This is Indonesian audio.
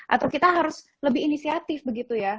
atau kita harus lebih inisiatif begitu ya